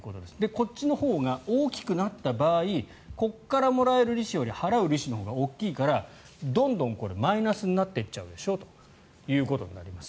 こっちのほうが大きくなった場合ここからもらえる利子より払う利子のほうが多いからどんどんマイナスになっちゃうでしょということになります。